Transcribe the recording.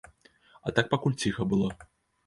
А так пакуль ціха было.